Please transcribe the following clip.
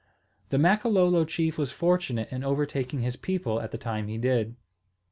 The Makololo chief was fortunate in overtaking his people at the time he did.